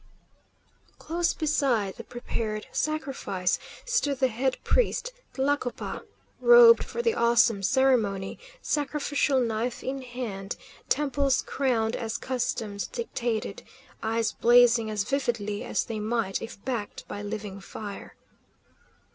Close beside the prepared sacrifice stood the head priest, Tlacopa, robed for the awesome ceremony, sacrificial knife in hand, temples crowned as customs dictated, eyes blazing as vividly as they might if backed by living fire.